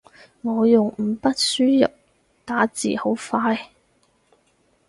我用五筆輸入打字好快